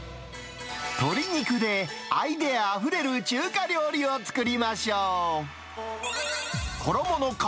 鶏肉でアイデアあふれる中華料理を作りましょう。